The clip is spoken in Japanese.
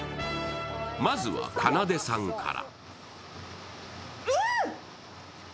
まずは、かなでさんから。